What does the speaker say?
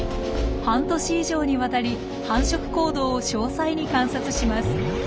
半年以上にわたり繁殖行動を詳細に観察します。